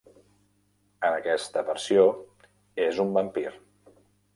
En aquesta versió és un vampir.